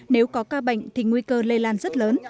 nếu có ca bệnh thì nguy cơ lây lan rất lớn